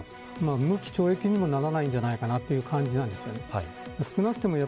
無期懲役にもならないんじゃないかなという感じです。